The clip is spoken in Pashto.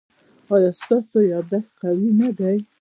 ایا ستاسو یادښت قوي نه دی؟